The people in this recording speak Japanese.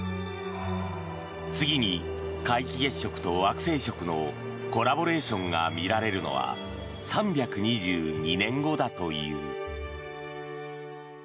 次に皆既月食と惑星食のコラボレーションが見られるのは３２２年後だという。